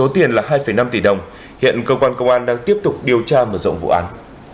điều này là hai năm tỷ đồng hiện cơ quan công an đang tiếp tục điều tra mở rộng vụ án